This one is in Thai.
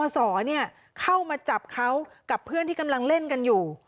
สอเข้ามาจับเขากับเพื่อนที่กำลังเล่นกันอยู่